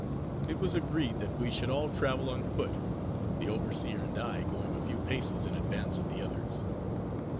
It was agreed that we should all travel on foot, the overseer and I going a few paces in advance of the others.